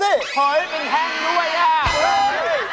เห้ยมึงแข้งด้วย